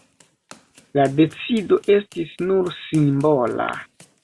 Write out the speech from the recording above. La decido estis nur simbola.